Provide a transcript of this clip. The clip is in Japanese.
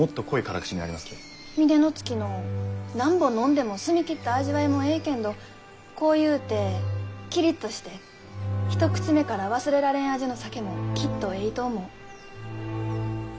峰乃月の何本飲んでも澄み切った味わいもえいけんど濃ゆうてキリッとして一口目から忘れられん味の酒もきっとえいと思う。